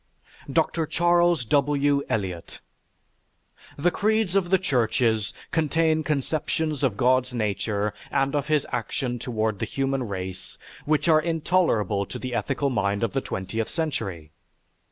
DR. CHARLES W. ELIOT The creeds of the churches contain conceptions of God's nature and of his action toward the human race which are intolerable to the ethical mind of the twentieth century.